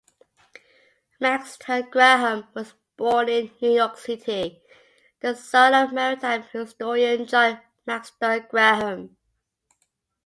Maxtone-Graham was born in New York City, the son of maritime historian John Maxtone-Graham.